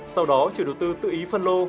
sau đó chủ đầu tư tự ý phân lô